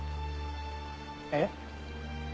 えっ？